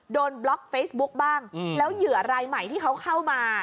บล็อกเฟซบุ๊กบ้างแล้วเหยื่อรายใหม่ที่เขาเข้ามา